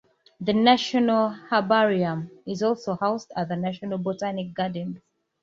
The National Herbarium is also housed at the National Botanic Gardens.